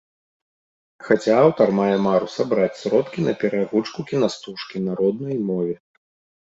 Хаця аўтар мае мару сабраць сродкі на пераагучку кінастужкі на роднай мове.